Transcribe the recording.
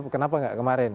kenapa enggak kemarin